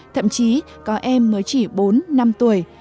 thậm chí có em mới chỉ bốn năm tuổi